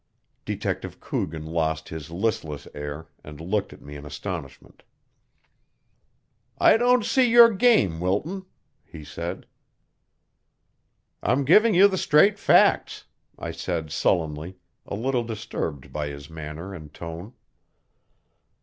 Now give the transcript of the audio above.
Detective Coogan lost his listless air, and looked at me in astonishment. "I don't see your game, Wilton," he said. "I'm giving you the straight facts," I said sullenly, a little disturbed by his manner and tone.